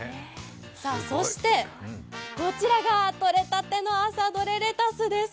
そしてこちらがとれたての朝どれレタスです。